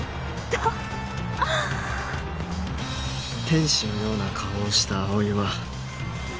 天使のような顔をした葵は